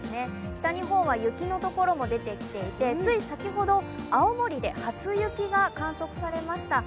北日本は雪のところも出てきていて、つい先ほど青森で初雪が観測されました。